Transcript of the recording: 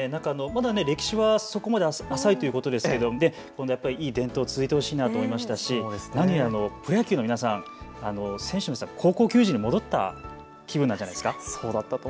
歴史はそこまで、浅いということですけど、いい伝統、続いてほしいなと思いましたし、何よりプロ野球の皆さん、選手の皆さん、高校球児に戻った気分なんじゃないですか。